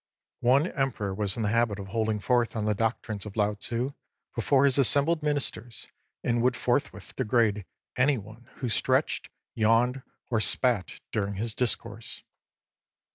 One Emperor was in the habit of holding forth on the doctrines of Lao Tzii before his assembled ministers, and would forthwith degrade any one who stretched, yawned, or spat during his discourse.